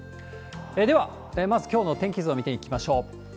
では、まずきょうの天気図を見ていきましょう。